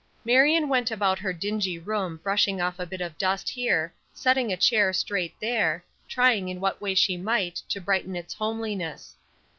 MARION went about her dingy room brushing off a bit of dust here, setting a chair straight there, trying in what ways she might to brighten its homeliness.